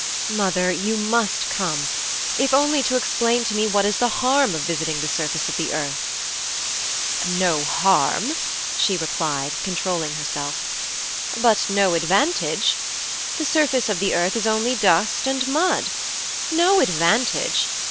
'Mother, you must come, if only to explain to me what is the harm of visiting the surface of the earth.' 'No harm,' she replied, controlling herself. 'But no advantage. The surface of the earth is only dust and mud, no advantage.